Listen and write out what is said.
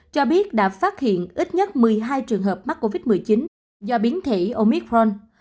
cho biết đã phát hiện ít nhất một mươi hai trường hợp mắc covid một mươi chín do biến thể omitron